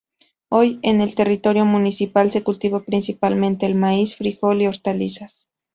Hoy en el territorio municipal se cultiva principalmente el maíz, frijol y hortalizas.